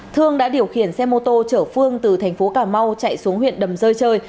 thương đã điều khiển xe mô tô chở phương từ thành phố cà mau chạy xuống huyện đầm rơi chơi